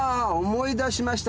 思い出しました。